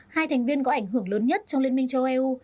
hai thành viên có ảnh hưởng lớn nhất trong liên minh châu âu